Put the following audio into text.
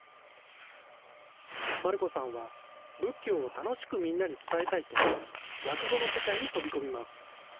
団姫さんは、仏教を楽しくみんなに伝えたいと、落語の世界に飛び込みます。